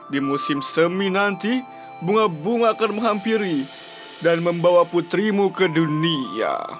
di musim semi nanti bunga bunga akan menghampiri dan membawa putrimu ke dunia